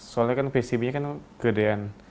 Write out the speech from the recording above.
soalnya kan pcb nya kan gedean